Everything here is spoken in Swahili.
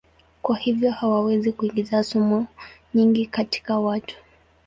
Kwa hivyo hawawezi kuingiza sumu nyingi katika watu.